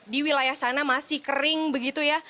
di wilayah sana masih kering begitu ya